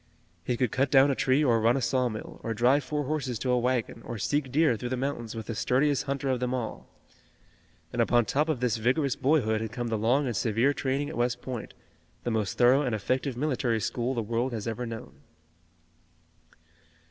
He could cut down a tree or run a saw mill, or drive four horses to a wagon, or seek deer through the mountains with the sturdiest hunter of them all. And upon top of this vigorous boyhood had come the long and severe training at West Point, the most thorough and effective military school the world has ever known.